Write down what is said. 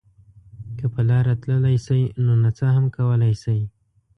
که په لاره تللی شئ نو نڅا هم کولای شئ.